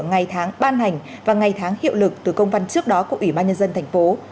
ngày tháng ban hành và ngày tháng hiệu lực từ công văn trước đó của ủy ban nhân dân thành phố